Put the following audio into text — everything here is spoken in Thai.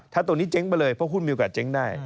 ถ้าตัวนี้เจ๊งไปเลยเพราะคุณมีโอกาสเจ๊งได้